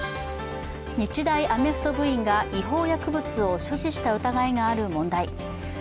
日大アメフト部員が違法薬物を所持した疑いがある問題疑いがある問題。